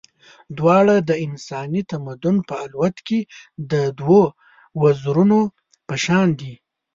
دواړه د انساني تمدن په الوت کې د دوو وزرونو په شان دي.